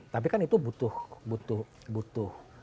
tapi kan itu butuh